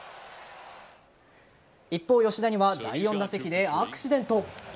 一方、吉田には第４打席でアクシデント。